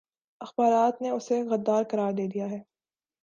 اخبارات نے اسے غدارقرار دے دیاہے